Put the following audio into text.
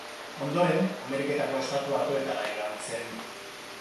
Ondoren Ameriketako Estatu Batuetara joan zen.